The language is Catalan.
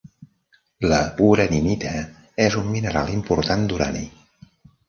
La uraninita és un mineral important d'urani.